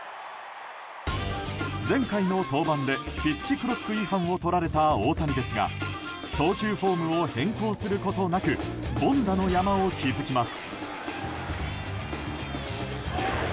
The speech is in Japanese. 前回の登板でピッチクロック違反をとられた大谷ですが投球フォームを変更することなく凡打の山を築きます。